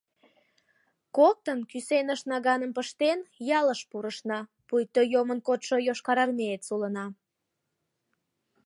Коктын, кӱсеныш наганым пыштен, ялыш пурышна, пуйто йомын кодшо йошкарармеец улына.